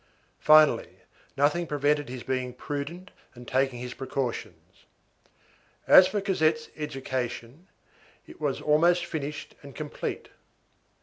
Finally, nothing prevented his being prudent and taking his precautions. As for Cosette's education, it was almost finished and complete.